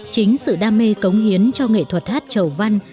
chính sự đam mê cống hiến cho nghệ thuật hát chầu văn